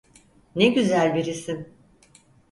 Ne güzel bir isim.